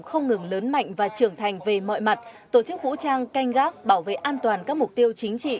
không ngừng lớn mạnh và trưởng thành về mọi mặt tổ chức vũ trang canh gác bảo vệ an toàn các mục tiêu chính trị